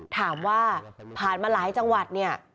ถามว่าผ่านมาหลายจังหวัดเนี่ย